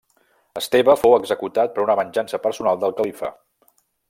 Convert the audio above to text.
Esteve fou executat per una venjança personal del califa.